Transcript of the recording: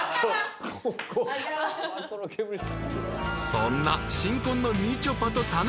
［そんな新婚のみちょぱと田中］